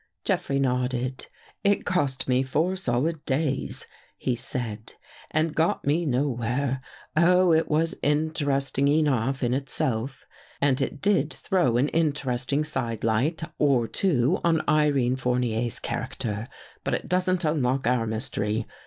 " Jeffrey nodded. " It cost me four solid days," he said, " and got me nowhere. Oh, it was inter esting enough in itself and it did throw an interest ing sidelight or two on Irene Fournier's character, but it doesn't unlock our mystery.